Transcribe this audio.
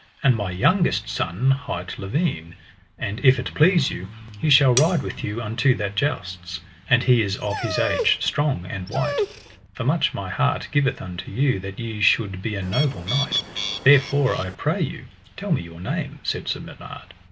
And my youngest son hight Lavaine, and if it please you, he shall ride with you unto that jousts; and he is of his age strong and wight, for much my heart giveth unto you that ye should be a noble knight, therefore I pray you, tell me your name, said Sir Bernard.